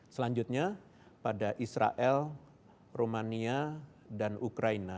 selanjutnya pada israel rumania dan ukraina